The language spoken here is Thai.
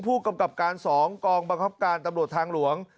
ผู้กรรมกรรมการ๒กองบังคับการตรรวจทางหลวง